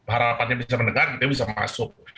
harapannya bisa mendengar dia bisa masuk